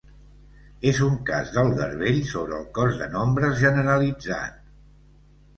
És un cas del garbell sobre el cos de nombres generalitzat.